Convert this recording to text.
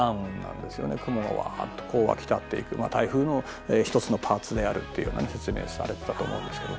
雲がわっとこう湧き立っていく台風の一つのパーツであるというような説明されてたと思うんですけど。